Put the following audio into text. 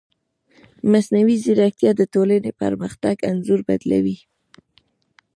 مصنوعي ځیرکتیا د ټولنې د پرمختګ انځور بدلوي.